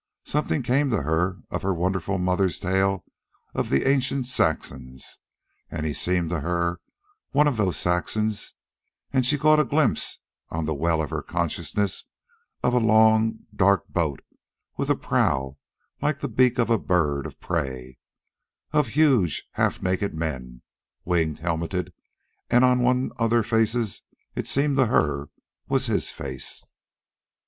Something came to her of her wonderful mother's tales of the ancient Saxons, and he seemed to her one of those Saxons, and she caught a glimpse, on the well of her consciousness, of a long, dark boat, with a prow like the beak of a bird of prey, and of huge, half naked men, wing helmeted, and one of their faces, it seemed to her, was his face.